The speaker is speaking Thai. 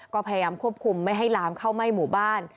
ก็พยายามควบคุมไม่ให้ลามเข้าไหม้หมู่บ้าน